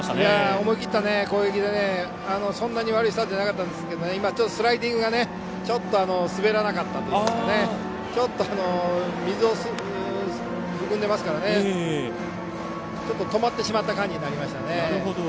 思い切った攻撃でそんなに悪いスタートではなかったんですがスライディングが滑らなかったというかちょっと水を含んでますからちょっと止まってしまった感じになりましたね。